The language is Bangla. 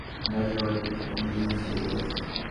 প্রমাণ সংগ্রহ করার জন্য যাকে জিজ্ঞাসাবাদ করেছিলাম ইনিই সেই লোক!